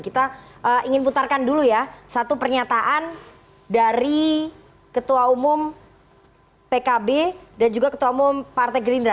kita ingin putarkan dulu ya satu pernyataan dari ketua umum pkb dan juga ketua umum partai gerindra